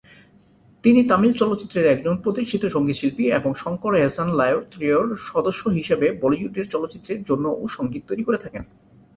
তিনি তামিল চলচ্চিত্রের একজন প্রতিষ্ঠিত সঙ্গীতশিল্পী এবং শঙ্কর-এহসান-লায় ত্রয়ীর সদস্য হিসেবে বলিউডের চলচ্চিত্রের জন্যও সঙ্গীত তৈরি করে থাকেন।